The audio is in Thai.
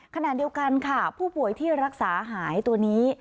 ขณะเดียวกันค่ะผู้ป่วยที่รักษาหายตัวนี้